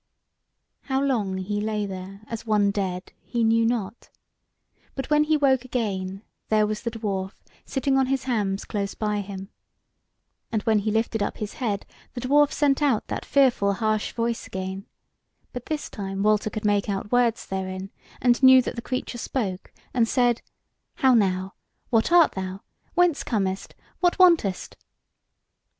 How long he lay there as one dead, he knew not, but when he woke again there was the dwarf sitting on his hams close by him. And when he lifted up his head, the dwarf sent out that fearful harsh voice again; but this time Walter could make out words therein, and knew that the creature spoke and said: "How now! What art thou? Whence comest? What wantest?"